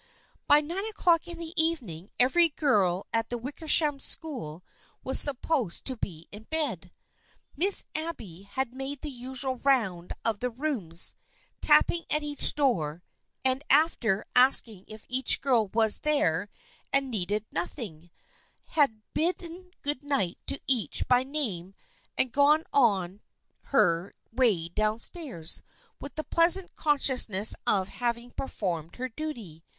By nine o'clock in the evening every girl at the Wickersham School was supposed to be in bed. Miss Abby had made the usual round of the rooms, tapping at each door, and after asking if each girl was there and needed nothing, had bid den good night to each by name and gone on her way down stairs with the pleasant consciousness of having performed her duty.